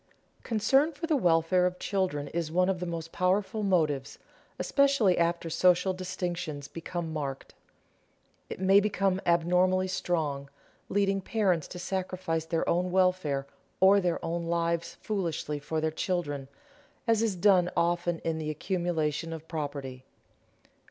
Concern for the welfare of children is one of the most powerful motives, especially after social distinctions become marked. It may become abnormally strong, leading parents to sacrifice their own welfare or their own lives foolishly for their children, as is done often in the accumulation of property.